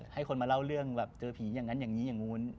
ให้คนมาเล่าเรื่องแบบเจอผีอย่างนั้นอย่างนี้อย่างนู้น